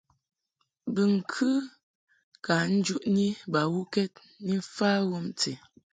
Bɨŋkɨ ka njuʼni bawukɛd ni mfa wɔmti.